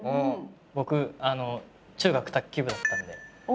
僕中学卓球部だったんで。